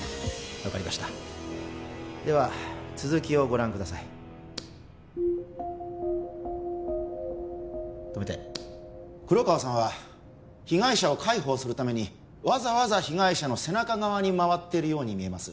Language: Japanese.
分かりましたでは続きをご覧ください止めて黒川さんは被害者を介抱するためにわざわざ被害者の背中側に回っているように見えます